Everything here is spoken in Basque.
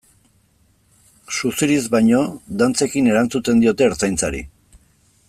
Suziriz baino, dantzekin erantzuten diote Ertzaintzari.